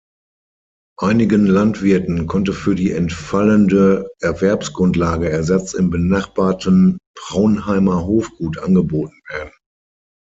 Einigen Landwirten konnte für die entfallende Erwerbsgrundlage Ersatz im benachbarten Praunheimer Hofgut angeboten werden.